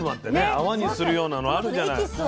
泡にするようなのあるじゃない。